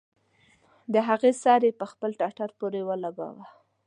د هغې سر يې پر خپل ټټر پورې ولګاوه.